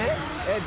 えっ？